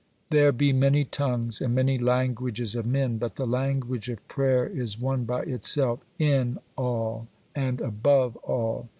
There be many tongues and many languages of men,—but the language of prayer is one by itself, in all and above all.